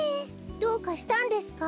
どうかしたんですか？